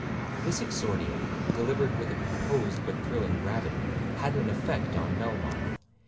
This exordium, delivered with a composed but thrilling gravity, had an effect on Melmoth.